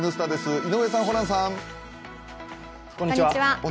井上さん、ホランさん。